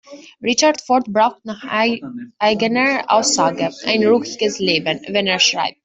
Richard Ford braucht nach eigener Aussage „ein ruhiges Leben“, wenn er schreibt.